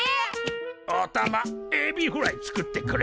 おたまエビフライ作ってくれ。